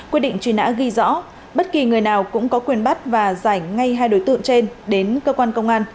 quyết định truy nã ghi rõ bất kỳ người nào cũng có quyền bắt và giải ngay hai đối tượng trên đến cơ quan công an